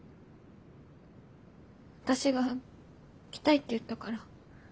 私が来たいって言ったから。